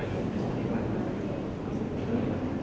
สวัสดีครับ